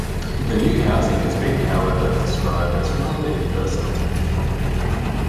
The new housing has been however described as rather "impersonal".